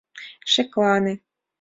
«Шеклане!